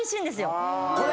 これ？